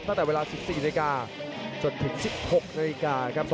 ตั้งแต่เวลา๑๔นาทีจนถึง๑๖นาทีครับ